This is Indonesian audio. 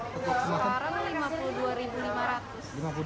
harga jualnya mbak